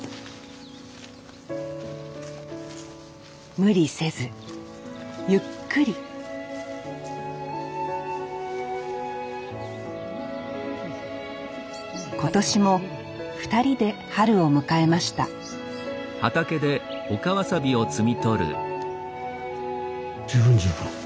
無理せずゆっくり今年も２人で春を迎えました十分十分。